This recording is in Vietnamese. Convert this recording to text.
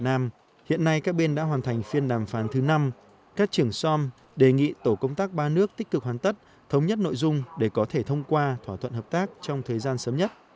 ngày một một mươi một đã hoàn thành phiên đàm phán thứ năm các trưởng som đề nghị tổ công tác ba nước tích cực hoàn tất thống nhất nội dung để có thể thông qua thỏa thuận hợp tác trong thời gian sớm nhất